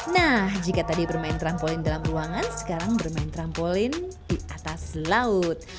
nah jika tadi bermain trampolin dalam ruangan sekarang bermain trampolin di atas laut